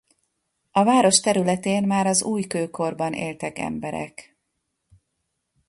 A város területén már az újkőkorban éltek emberek.